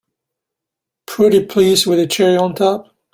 Pretty please with a cherry on top!